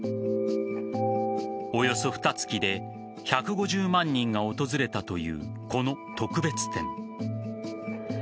およそふた月で１５０万人が訪れたというこの特別展。